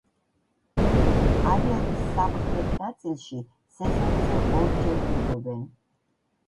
არეალის სამხრეთ ნაწილში სეზონზე ორჯერ ბუდობენ.